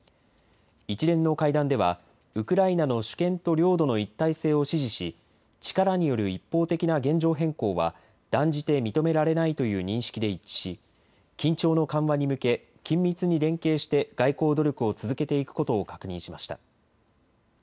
一連の会談ではウクライナの主権と領土の一体性を支持し力による一方的な現状変更は断じて認められないという認識で一致し緊張の緩和に向け、緊密に連携して外交努力を続けていくことを確認しました。